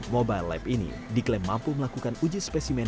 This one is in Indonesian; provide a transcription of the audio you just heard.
mobile lab ini diklaim mampu melakukan uji spesimen